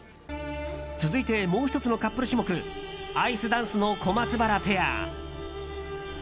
続いて、もう１つのカップル種目アイスダンスの小松原ペア。